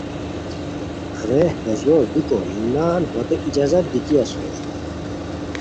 رے بو زور دیکو نان ہوتے اجازت دیتی اسور